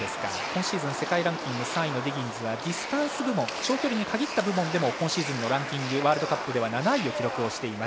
今シーズン世界ランキング３位ディギンズはディスタンス部門という長距離に限った部分でも今シーズンのランキングワールドカップでは７位を記録。